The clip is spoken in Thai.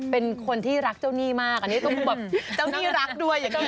เป็นคนที่รักเจ้าหนี้มากอันนี้ต้องแบบเจ้าหนี้รักด้วย